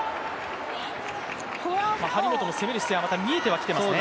張本の攻める姿勢は見えてはいますね。